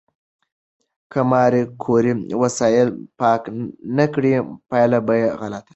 که ماري کوري وسایل پاک نه کړي، پایله به غلطه شي.